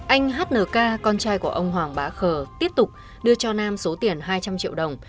anh hnk con trai của ông hoàng bá khờ tiếp tục đưa cho nam số tiền hai trăm linh triệu đồng